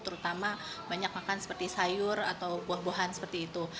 terutama banyak makan seperti sayur atau buah buahan seperti itu